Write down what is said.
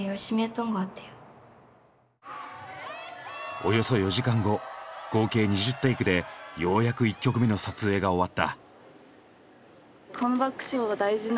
およそ４時間後合計２０テイクでようやく１曲目の撮影が終わった。